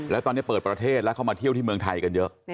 แล้วตอนนี้เปิดประเทศแล้วเข้ามาเที่ยวที่เมืองไทยกันเยอะ